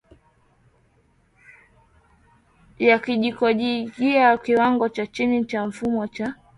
ya Kijojiajia Kiwango cha chini cha mfumo wa